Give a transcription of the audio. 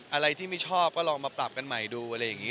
อะไรที่ไม่ชอบก็ลองมาปรับกันใหม่ดูอะไรอย่างนี้